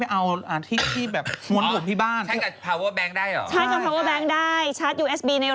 เอาขึ้นเครื่องได้ไม่โดน